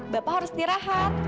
bapak harus tidur rahat